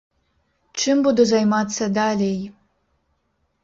Чым буду займацца далей?